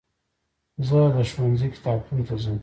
زه د ښوونځي کتابتون ته ځم.